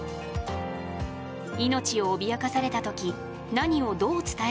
命を脅かされたとき何をどう伝えればいいのか。